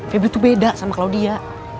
febri tuh beda sama claudia